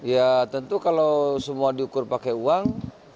ya tentu kalau semua diukur pakai uang